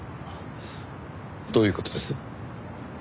どういう事です？